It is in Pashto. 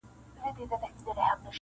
غليمان به فراريږي -